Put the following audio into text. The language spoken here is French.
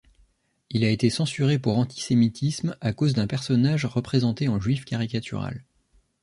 Il a été censuré pour antisémitisme a cause d'un personnage représenté en Juif caricatural.